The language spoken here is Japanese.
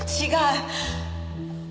違う！